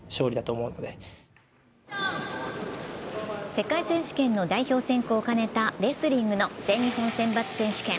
世界選手権の代表選考を兼ねたレスリングの全日本選抜選手権。